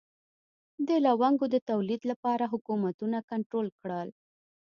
د لونګو د تولید لپاره حکومتونه کنټرول کړل.